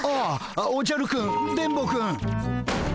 ああおじゃるくん電ボくん。